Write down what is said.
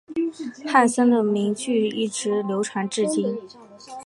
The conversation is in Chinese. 汉森的名句一直流传至今。